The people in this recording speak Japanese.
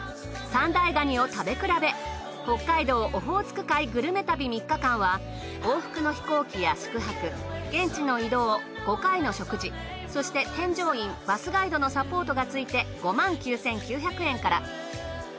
三大ガニを食べ比べ北海道オホーツク海グルメ旅３日間は往復の飛行機や宿泊現地の移動５回の食事そして添乗員バスガイドのサポートがついて５万９，９００円から。